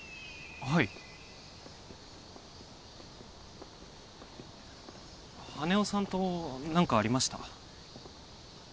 はい羽男さんと何かありました？